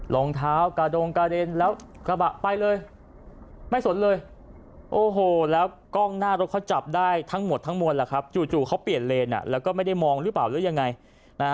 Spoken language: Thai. รองเท้ากระดงกระเด็นแล้วกระบะไปเลยไม่สนเลยโอ้โหแล้วกล้องหน้ารถเขาจับได้ทั้งหมดทั้งมวลล่ะครับจู่เขาเปลี่ยนเลนอ่ะแล้วก็ไม่ได้มองหรือเปล่าหรือยังไงนะฮะ